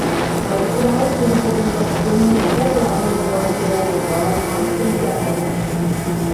Mae'r graig wedi bod yn destun nifer o arolygon daearegol a phaentiadau.